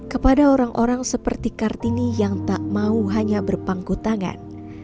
kepada orang orang seperti kartini yang tak mau hanya berpangku tangan